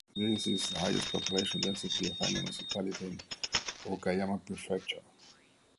This is the highest population density of any municipality in Okayama Prefecture.